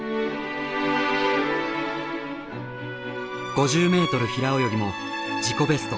５０メートル平泳ぎも自己ベスト。